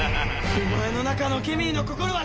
お前の中のケミーの心は純粋だ！